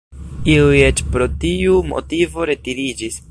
Iuj eĉ pro tiu motivo retiriĝis.